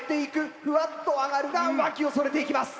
ふわっと上がるが脇をそれていきます。